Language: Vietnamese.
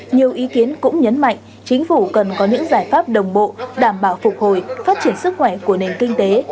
nhiều ý kiến cũng nhấn mạnh chính phủ cần có những giải pháp đồng bộ đảm bảo phục hồi phát triển sức khỏe của nền kinh tế